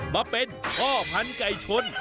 มาเป็นเพาะพันไก่ชน